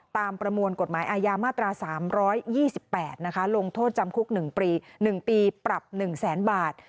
ประมวลกฎหมายอาญามาตรา๓๒๘ลงโทษจำคุก๑ปีปรับ๑แสนบาท